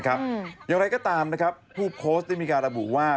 อย่างไรก็ตามนะครับผู้โพสต์ได้มีการระบุว่า